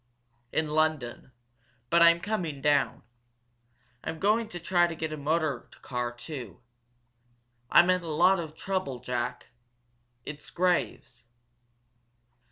"In London, but I'm coming down. I'm going to try to get a motor car, too. I'm in a lot of trouble, Jack it's Graves."